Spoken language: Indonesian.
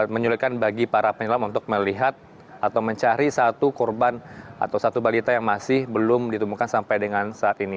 menyulitkan bagi para penyelam untuk melihat atau mencari satu korban atau satu balita yang masih belum ditemukan sampai dengan saat ini